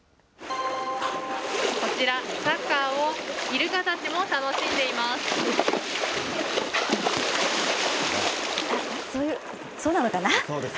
こちら、サッカーをイルカたちも楽しんでいます。